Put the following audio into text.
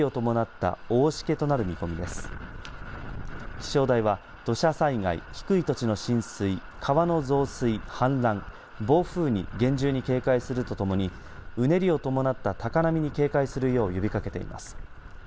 気象台は土砂災害低い土地の浸水川の増水・氾濫、暴風に厳重に警戒するとともにうねりを伴った高波に警戒するよう呼びかけています。